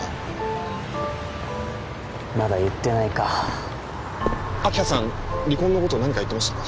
まだ言ってないか明葉さん離婚のこと何か言ってましたか？